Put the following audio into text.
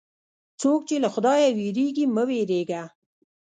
څوک چې له خدایه وېرېږي، مه وېرېږه.